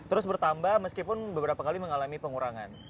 terus bertambah meskipun beberapa kali mengalami pengurangan